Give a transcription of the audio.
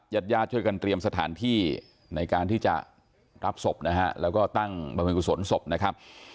ญาติญาติช่วยกันเตรียมสถานที่ในการที่จะรับศพนะฮะแล้วก็ตั้งบริเวณกุศลศพนะครับ